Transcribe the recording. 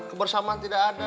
kebersamaan tidak ada